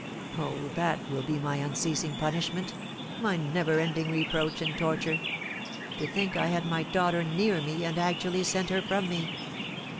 Oh, that will be my unceasing punishment, my never ending reproach and torture, to think I had my daughter near me, and actually sent her from me!